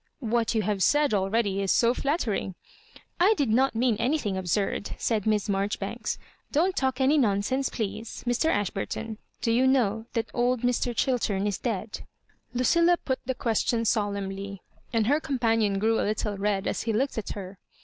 '^What you have said already is so flattering '* "I did not mean anything absurd," said Miss Marjoribanks. " Don't talk any nonsense, please. Mr. Ashburton, do you know that old Mr. Chil tem is dead ?" Lucilla put the question solemnly, and her companion grew a little red as he looked at her.